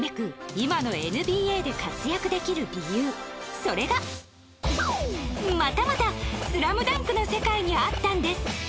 今のＮＢＡで活躍できる理由それがまたまた『スラムダンク』の世界にあったんです